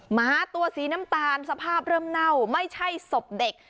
หมาตัวสีน้ำตาลสภาพเริ่มเน่าไม่ใช่ศพเด็ก